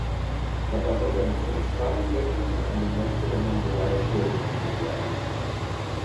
Dabei soll er bis ins Tarimbecken und an die Grenze der Mongolei vorgedrungen sein.